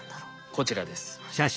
こちらです。